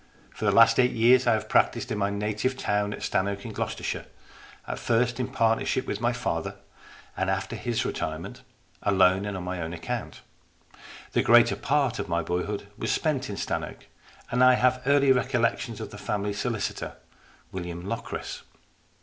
For the last eight years I have practised in my native town at Stannoke in Gloucestershire, at first in partnership with my father, and after his retirement alone and on my own account. The greater part of my boyhood was spent in Stannoke, and I have early recollections of the family solicitor, William Locris.